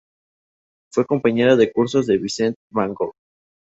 Fue compañera de cursos de Vincent van Gogh.